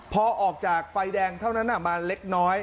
พอออกจากไฟแดงเท่านั้นมาเล็กน้อย